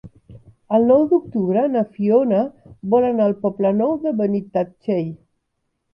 El nou d'octubre na Fiona vol anar al Poble Nou de Benitatxell.